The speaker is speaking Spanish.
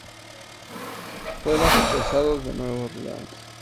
Fueron rechazados de Nueva Orleans.